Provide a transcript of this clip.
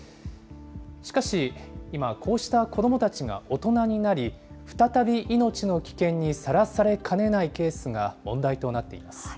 しかし、今、こうした子どもたちが大人になり、再び命の危険にさらされかねないケースが問題となっています。